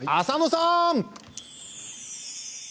浅野さん。